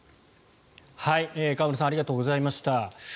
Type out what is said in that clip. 河村さんありがとうございました。